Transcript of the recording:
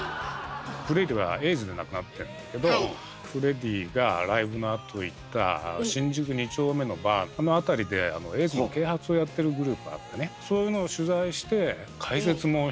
フレディはエイズで亡くなってるんだけどフレディがライブのあと行った新宿二丁目のバーあの辺りでエイズの啓発をやってるグループあってねそういうのを取材してうわ